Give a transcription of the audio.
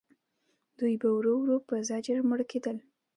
دوی به ورو ورو په زجر مړه کېدل.